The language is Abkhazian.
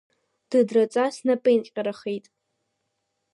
Дыдраҵас напеинҟьарахеит.